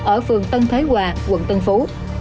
ở phường tân thế hòa quận tân phú